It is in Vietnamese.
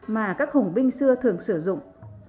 mà các hùng binh xưa thường sử dụng